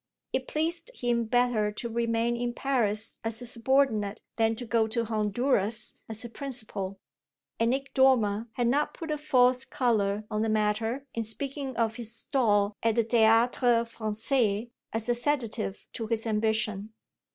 It pleased him better to remain in Paris as a subordinate than to go to Honduras as a principal, and Nick Dormer had not put a false colour on the matter in speaking of his stall at the Théâtre Français as a sedative to his ambition.